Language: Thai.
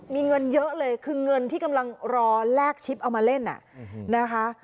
มีเงินเยอะเลยคือเงินที่กำลังรอแลกชิปเอามาเล่นนะคะ